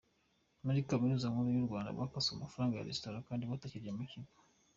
Muri Kaminuza Nkuru y’u Rwanda bakaswe amafaranga ya resitora kandi batakirya mu kigo